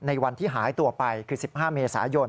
วันที่หายตัวไปคือ๑๕เมษายน